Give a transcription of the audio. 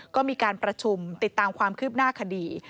ก็มีการประชุมติดตามความคืบหน้าคดี